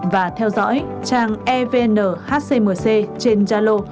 và theo dõi trang evnhcmc trên jalo